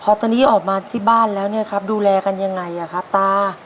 พอตอนนี้ออกมาที่บ้านแล้วเนี่ยครับดูแลกันยังไงครับตา